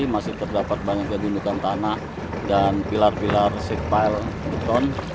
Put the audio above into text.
masih terdapat banyak kedundukan tanah dan pilar pilar sikpile beton